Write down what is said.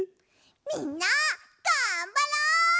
みんながんばろう！